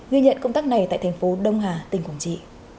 ghi nhận công tác này tại thành phố đông hà tỉnh quảng trị